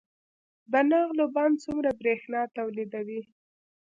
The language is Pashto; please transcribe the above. د نغلو بند څومره بریښنا تولیدوي؟